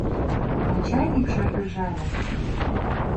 Начальник шыргыжале.